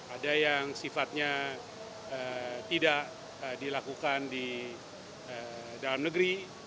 ada yang sifatnya tidak dilakukan di dalam negeri